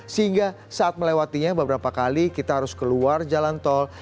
sehingga saat melewatinya beberapa kali kita harus keluar jalan tol